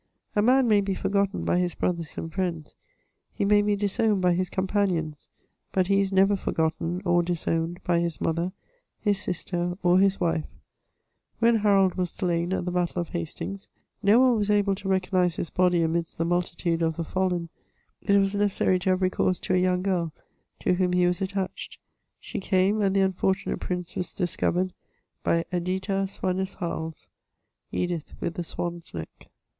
A man may be forgotten by his brothers and friends : he may be disowned by his com panions ; but he is never forgotten or disowned by his mother, his sister, of his wife. When Harold was slain at the battle of Hastings, no one was able to recognise his body amidst the multitude of the fallen : it was necessary to have recourse to a young girl — ^to whom he was attached. She came, and the unfortunate prince was discovered by "Editha Swanea HdUt — Edith with the swan's neck.